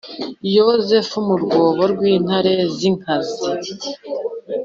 yosefu mu rwobo rw’intare zinkazi